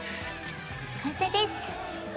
完成です。